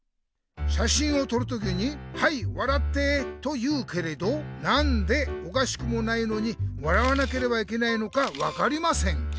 「しゃしんをとる時に『はい笑って』と言うけれどなんでおかしくもないのに笑わなければいけないのか分かりません。